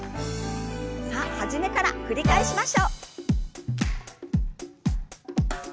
さあ初めから繰り返しましょう。